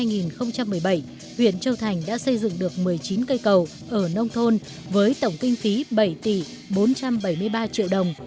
huyện châu thành đã xây dựng được một mươi chín cây cầu ở nông thôn với tổng kinh phí bảy tỷ bốn trăm bảy mươi ba triệu đồng